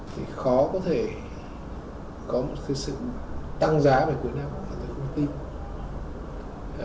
thì khó có thể có một sự tăng giá về quyền hạng của các doanh nghiệp công ty